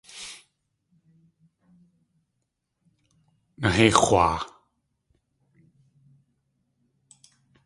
Nahéix̲waa!